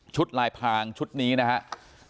ลายพางชุดนี้นะครับ